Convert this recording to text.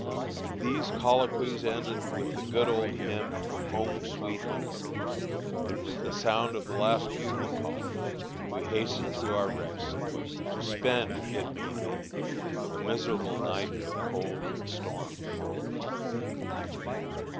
These colloquies often ended with the good old hymn, "Home, sweet home," and with the sound of the last bugle call we hastened to our rest, to spend, it may be, a miserable night of cold and storm.